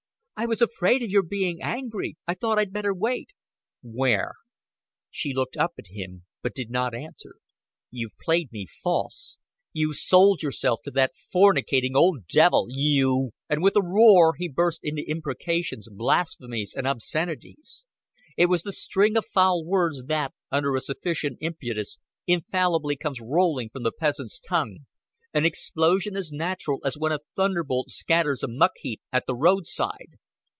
"I was afraid of your being angry. I thought I'd better wait." "Where?" She looked up at him, but did not answer. "You've played me false. You've sold yourself to that fornicating old devil. You " And with a roar he burst into imprecations, blasphemies and obscenities. It was the string of foul words that, under a sufficient impetus, infallibly comes rolling from the peasant's tongue an explosion as natural as when a thunderbolt scatters a muck heap at the roadside.